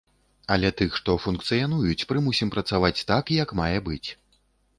Але тых, што функцыянуюць, прымусім працаваць так, як мае быць.